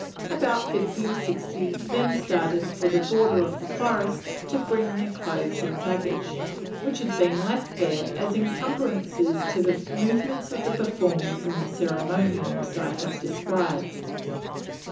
About fifty or sixty then started for the border of the forest to bring their clothes and baggage, which had been left there as incumbrances to the movements of the performers in the ceremonials I have described.